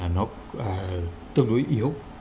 nó tương đối yếu